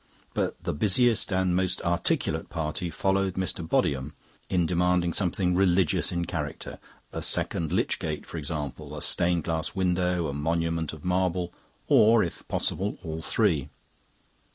But the busiest and most articulate party followed Mr. Bodiham in demanding something religious in character a second lich gate, for example, a stained glass window, a monument of marble, or, if possible, all three.